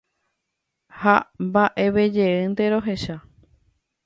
Ha mba'evejeýnte rohecha.